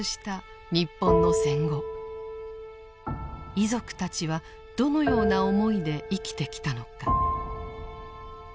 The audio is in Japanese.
遺族たちはどのような思いで生きてきたのか。